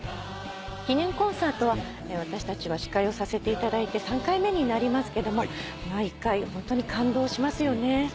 記念コンサート私たちは司会をさせていただいて３回目になりますけども毎回ホントに感動しますよね。